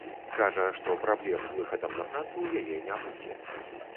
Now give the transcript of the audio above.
Кажа, што праблем з выхадам на працу ў яе не будзе.